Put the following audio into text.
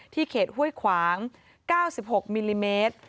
เขตห้วยขวาง๙๖มิลลิเมตร